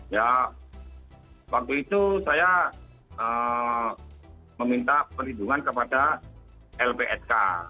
ya waktu itu saya meminta perlindungan kepada lpsk